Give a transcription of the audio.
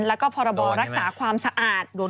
และก็พรบรรยาศาสตร์ความสะอาด